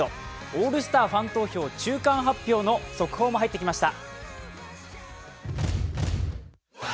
オールスターファン投票中間発表の速報も入ってきました。